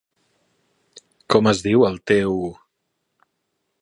Com es diu el teu...?